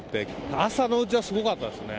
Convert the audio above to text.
朝のうちはすごかったですね。